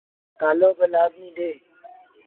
تآلو با لآزميٚ ڏئيٚ۔